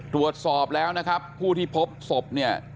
ตรวจสอบแล้วนะครับผู้ที่พบศพเนี่ย